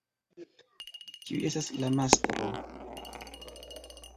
Kiu estas la mastro?